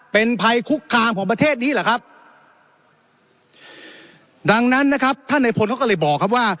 เป็นภัยคุกคามของประเทศนี้เหรอครับดังนั้นนะครับท่านในพลเขาก็เลยบอกครับว่า